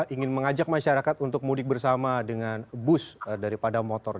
ingin mengajak masyarakat untuk mudik bersama dengan bus daripada motor